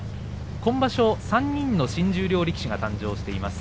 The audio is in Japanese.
今場所３人の新十両力士が誕生しています。